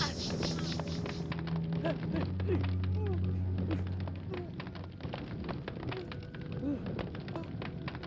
aku terlalu diam